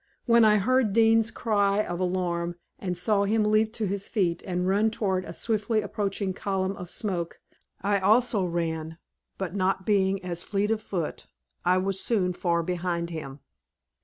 "When I heard Dean's cry of alarm and saw him leap to his feet and run toward a swiftly approaching column of smoke, I also ran, but not being as fleet of foot, I was soon far behind him.